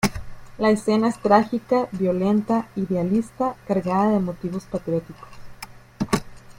La escena es trágica, violenta, idealista, cargada de motivos patrióticos.